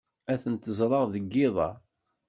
Ad ten-ẓreɣ deg yiḍ-a.